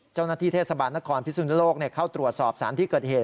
เจ้าหน้าที่เทศบาลนครพิสุนโลกเข้าตรวจสอบสารที่เกิดเหตุ